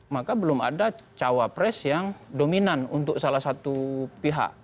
maka belum ada cawapres yang dominan untuk salah satu pihak